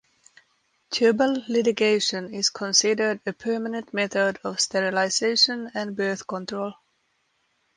Tubal ligation is considered a permanent method of sterilization and birth control.